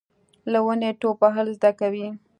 له ونې ټوپ وهل زده کوي .